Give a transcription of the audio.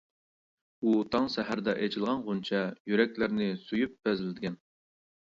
ئۇ تاڭ سەھەردە ئېچىلغان غۇنچە، يۈرەكلەرنى سۆيۈپ بەزلىگەن.